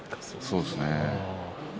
そうですね。